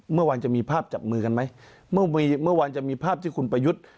เมื่อวานจะมีภาพจับมือกันไหมเมื่อมีเมื่อวานจะมีภาพที่คุณประยุทธ์